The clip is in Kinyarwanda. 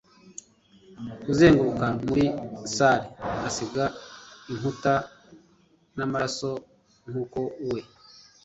kuzenguruka muri salle asiga inkuta namaraso nkuko we